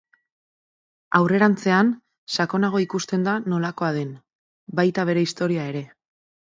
Aurrerantzean, sakonago ikusten da nolakoa den, baita bere historia ere.